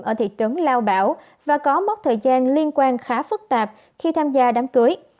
ở thị trấn lao bảo và có mốc thời gian liên quan khá phức tạp khi tham gia đám cưới